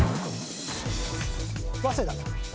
早稲田。